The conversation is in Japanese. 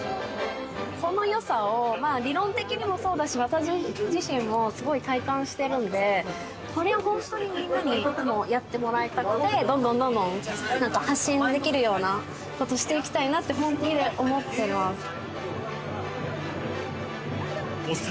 このよさを理論的にもそうだし、私自身もすごい体感してるんで、ほんとに皆にやってもらいたくて、どんどん発信できるようなことをしていきたいなって本気で思っています。